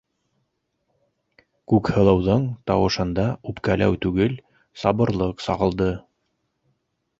- Күкһылыуҙың тауышында үпкәләү түгел, сабырлыҡ сағылды.